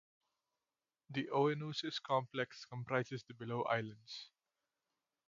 The Oinousses Complex comprises the below islands.